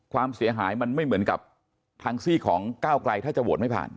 ความเสียหายมันไม่เหมือนกับทางซี่ของก้าวไกลถ้าจะโหวตไม่ผ่าน